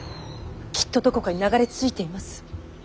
きっとどこかに流れ着いています。